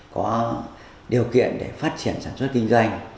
có điều kiện để phát triển sản xuất kinh doanh